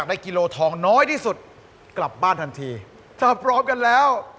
ไม่มีทางแน่เนาะ